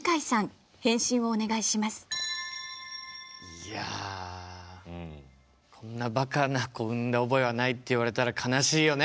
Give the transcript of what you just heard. いや「こんな馬鹿な子を産んだ覚えはない」って言われたら悲しいよね。